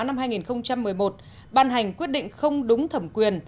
năm hai nghìn một mươi một ban hành quyết định không đúng thẩm quyền